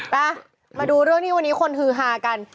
มาดูเรื่องที่วันนี้คนฮือฮากัน